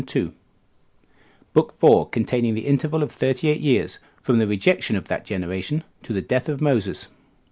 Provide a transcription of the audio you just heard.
and Acts 11:28.] BOOK IV. Containing The Interval Of Thirty Eight Years.From The Rejection Of That Generation To The Death Of Moses.